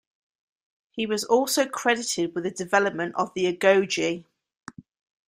He was also credited with the development of the "agoge".